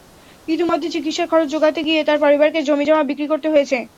ইতিমধ্যে চিকিৎসার খরচ জোগাতে গিয়ে তাঁর পরিবারকে জমিজমা বিক্রি করতে হয়েছে।